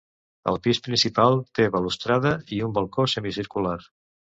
El pis principal té balustrada i un balcó semicircular.